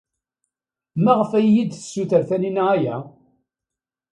Maɣef ay iyi-d-tessuter Taninna aya?